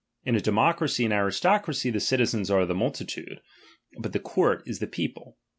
In a democracy and aristocracy, the citizens are the multitude, but the court is the people.